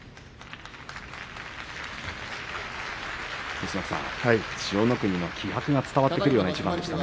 陸奥さん、千代の国の気迫が伝わってくるような一番でしたね。